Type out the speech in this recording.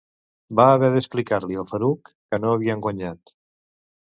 Va haver d'explicar-li al Farouk que no havien guanyat.